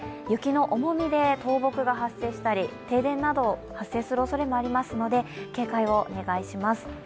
雪の重みで倒木が発生したり、停電などが発生するおそれがありますので、警戒をお願いします。